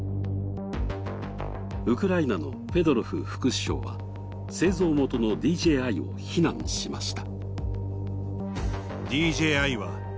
ウクライナのフェドロフ副首相は製造元のＤＪⅠを非難しました。